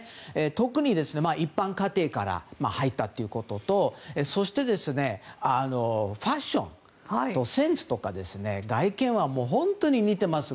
特に一般家庭から入ったということとそして、ファッションとセンスとか外見は本当に似ています。